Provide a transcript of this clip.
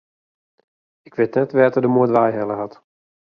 Ik wit net wêr't er de moed wei helle hat.